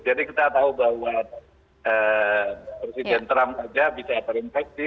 jadi kita tahu bahwa presiden trump ada bisa terinfeksi